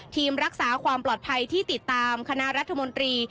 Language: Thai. รักษาความปลอดภัยที่ติดตามคณะรัฐมนตรี